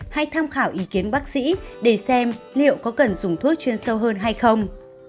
hay tham khảo ý kiến bác sĩ để xem liệu có cần dùng thuốc chuyên sâu hơn hay không